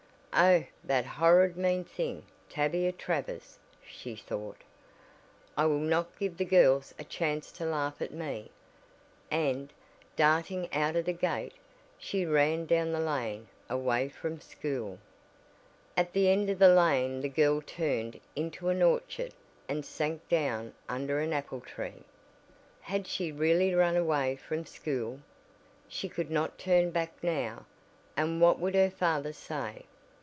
"Oh, that horrid mean thing, Tavia Travers!" she thought. "I will not give the girls a chance to laugh at me," and, darting out of the gate, she ran down the lane away from school. At the end of the lane the girl turned into an orchard and sank down under an apple tree. Had she really run away from school? She could not turn back now, and what would her father say?